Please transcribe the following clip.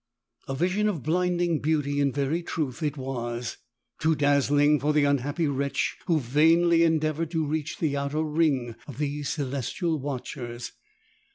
A vision of blinding beauty in very truth it was — too dazzling for the unhappy wretch who vainly endeavored to reach the outer ring of these celestial watchers.